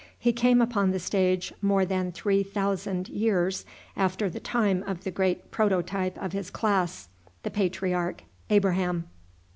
He came upon the stage more than three thousand years after the time of the great prototype of his class, the Patriarch Abraham.